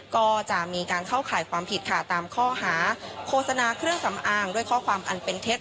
ก็จะมีการเข้าข่ายความผิดค่ะตามข้อหาโฆษณาเครื่องสำอางด้วยข้อความอันเป็นเท็จ